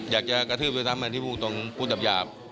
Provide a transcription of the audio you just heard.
อยากจะกระทืบสุดท้ำกันที่ผู้ตรงผู้จับหยาบ